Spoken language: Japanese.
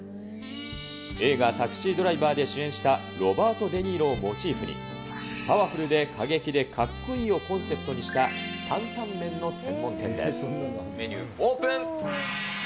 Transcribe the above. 映画、タクシードライバーで主演したロバート・デ・ニーロをモチーフに、パワフルで過激でかっこいいをコンセプトにした担々麺の専門店でメニューオープン。